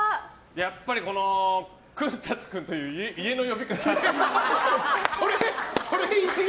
やっぱりこの、くんたつくんというそれで一撃？